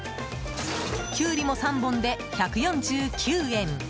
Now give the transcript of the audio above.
キュウリも３本で１４９円。